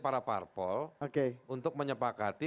para parpol untuk menyepakati